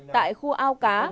tại khu ao cá